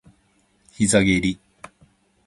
膝蹴り